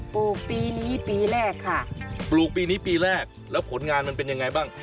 ลูกปีนี้ปีแรกค่ะปลูกปีนี้ปีแรกแล้วผลงานมันเป็นยังไงบ้าง